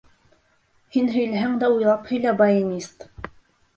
Һин һөйләһәң дә уйлап һөйлә, баянист!